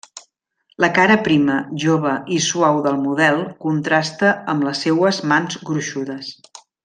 La cara prima, jove i suau del model contrasta amb les seues mans gruixudes.